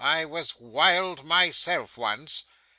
I was wild myself once.